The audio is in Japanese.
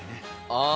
ああ